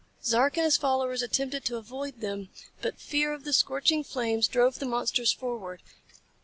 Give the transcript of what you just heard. Zark and his followers attempted to avoid them. But fear of the scorching flames drove the monsters forward.